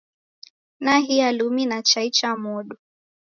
Nahia lumi na chai cha modo